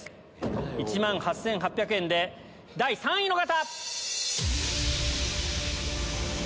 １万８８００円で第３位の方！